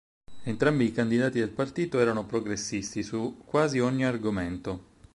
Entrambi i candidati del partito erano progressisti su quasi ogni argomento.